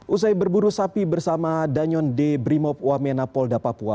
usai berburu sapi bersama danyon d brimopoamena polda papua